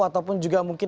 ataupun juga mungkin